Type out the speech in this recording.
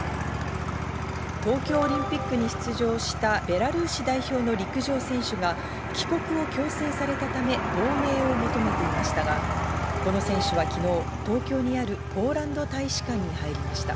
東京オリンピックに出場したベラルーシ代表の陸上選手が帰国を強制されたため亡命を求めていましたが、この選手は昨日、東京にあるポーランド大使館に入りました。